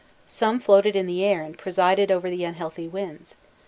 Some floated in the air and presided over the unhealthy winds.